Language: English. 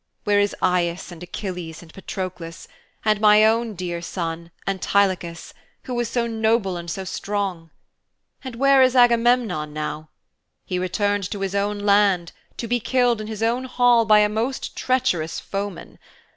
Where is Aias and Achilles and Patroklos and my own dear son, Antilochos, who was so noble and so strong? And where is Agamemnon now? He returned to his own land, to be killed in his own hall by a most treacherous foeman.